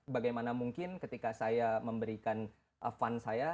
bagaimana mungkin ketika saya memberikan fun saya